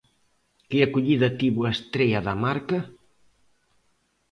Que acollida tivo a estrea da marca?